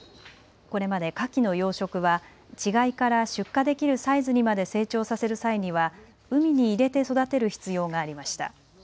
これまでかきの養殖は稚貝から出荷できるサイズにまで成長させる際には海に入れて育てる必要がありました。